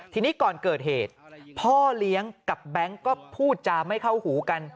ทีนี้ก่อนเกิดเหตุพ่อเลี้ยงกับแบงค์ก็พูดจาไม่เข้าหูกัน